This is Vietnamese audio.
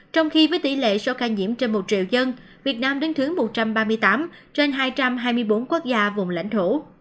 trong khi với tỷ lệ số ca nhiễm trên một triệu dân việt nam đứng thứ một trăm ba mươi tám trên hai trăm hai mươi bốn quốc gia vùng lãnh thổ